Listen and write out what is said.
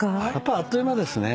あっという間ですね。